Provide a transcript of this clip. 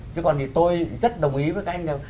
chứ còn thì tôi rất đồng ý với cái ảnh đó